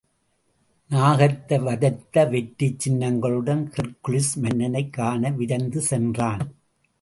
நாகத்தை வதைத்த வெற்றிச் சின்னங்களுடன் Hercules, மன்னனைக் காண விரைந்து சென்றான்.